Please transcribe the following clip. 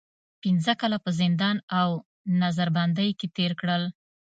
پنځه کاله په زندان او نظر بندۍ کې تېر کړل.